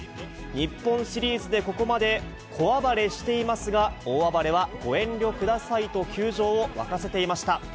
日本シリーズでここまで小暴れしていますが、大暴れはご遠慮くださいと球場を沸かせていました。